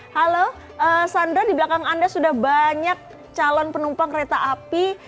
halo sandra di belakang anda sudah banyak calon penumpang kereta api